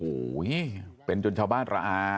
โอ้โหเป็นจนชาวบ้านระอา